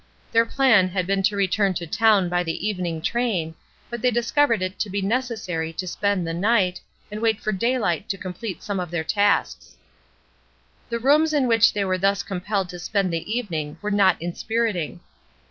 Their plan had been to return to town by the evening train, but they "THE SAME PERSON" 413 discovered it to be necessary to spend the night, and wait for daylight to complete some 'of their tasks. The rooms in which they were thus compelled to spend the evening were not inspiriting.